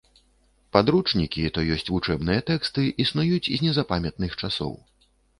Падручнікі, то ёсць вучэбныя тэксты, існуюць з незапамятных часоў.